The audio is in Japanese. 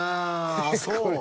あっそう。